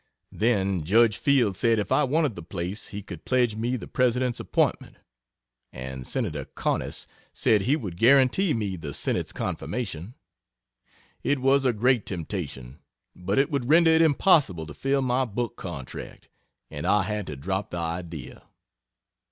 Then Judge Field said if I wanted the place he could pledge me the President's appointment and Senator Conness said he would guarantee me the Senate's confirmation. It was a great temptation, but it would render it impossible to fill my book contract, and I had to drop the idea.